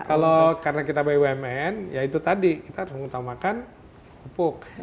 kalau karena kita bumn ya itu tadi kita harus mengutamakan pupuk